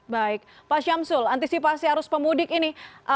baik pak syamsul antisipasi arus pemudik ini